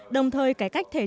đồng thời cái cách thể triển